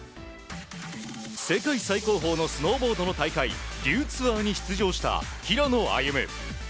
世界最高峰のスノーボードの大会デュー・ツアーに出場した平野歩夢。